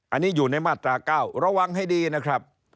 อันนี้อยู่ในมาตรา๙ระวังให้ดีนะครับ